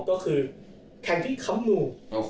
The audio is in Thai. ก็คือแขกที่คำหนู